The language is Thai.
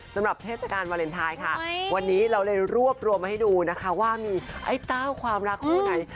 เทศกาลวาเลนไทยค่ะวันนี้เราเลยรวบรวมมาให้ดูนะคะว่ามีไอ้เต้าความรักคู่ไหน